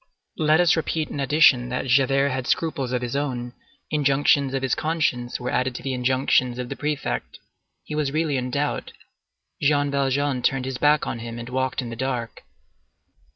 Let us repeat in addition that Javert had scruples of his own; injunctions of his conscience were added to the injunctions of the prefect. He was really in doubt. Jean Valjean turned his back on him and walked in the dark.